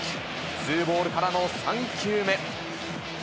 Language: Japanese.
ツーボールからの３球目。